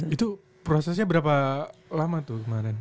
itu prosesnya berapa lama tuh kemarin